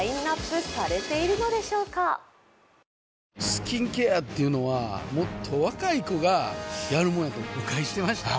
スキンケアっていうのはもっと若い子がやるもんやと誤解してました